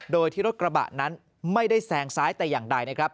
โดยที่รถกระบะนั้นไม่ได้แซงซ้ายแต่อย่างใดนะครับ